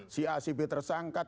si acb tersangkat